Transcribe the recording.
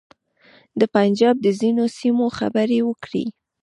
د پنجاب د ځینو سیمو خبرې وکړې.